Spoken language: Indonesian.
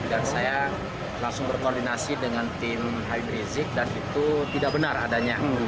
dan saya langsung berkoordinasi dengan tim habib rizik dan itu tidak benar adanya